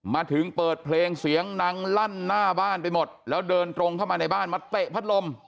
มาถึงเปิดเพลงเสียงดังลั่นหน้าบ้านไปหมดแล้วเดินตรงเข้ามาในบ้านมาเตะพัดลม